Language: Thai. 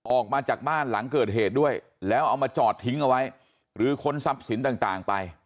ออกมาจากบ้านหลังเกิดเหตุด้วยแล้วเอามาจอดทิ้งเอาไว้หรือค้นทรัพย์สินต่างไป